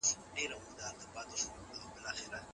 ملاریا یوه خطرناکه ناروغي ده.